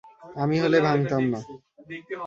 আমি হলে ভাঙ্গতাম না।